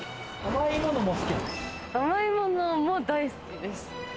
甘いものも大好きです。